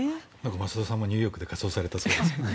増田さんもニューヨークで仮装されたそうです。